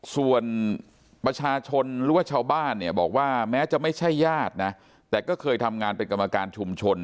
ส่วนประชาชนหรือว่าชาวบ้านเนี่ยบอกว่าแม้จะไม่ใช่ญาตินะแต่ก็เคยทำงานเป็นกรรมการชุมชน